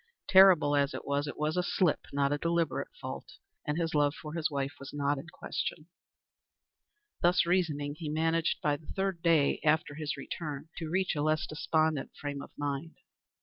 Terrible as it was, it was a slip, not a deliberate fault, and his love for his wife was not in question. Thus reasoning, he managed by the third day after his return to reach a less despondent frame of mind.